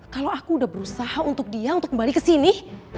kalau aku udah berusaha untuk dia untuk kembali kesini